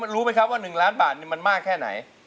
รู้ไหมครับว่า๑ล้านบาทมันมากแค่ไหน